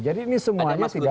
jadi ini semuanya tidak